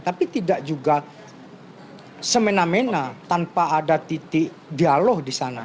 tapi tidak juga semena mena tanpa ada titik dialog di sana